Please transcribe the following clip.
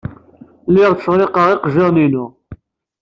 Lliɣ ttčerriqeɣ iqejjaṛen-inu.